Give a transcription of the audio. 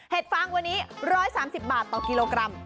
ฟางวันนี้๑๓๐บาทต่อกิโลกรัม